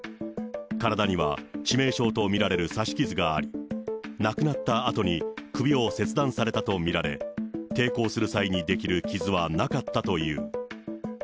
体には致命傷と見られる刺し傷があり、亡くなったあとに首を切断されたと見られ、抵抗する際にできる傷はなかったという。